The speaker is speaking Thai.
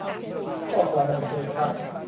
ก็คงโอเคครับ